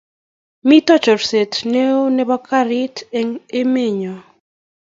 mito chorset neoo nebo karit eng' emenyo.